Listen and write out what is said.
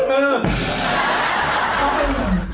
ต่อไปนี้ห้ามนะ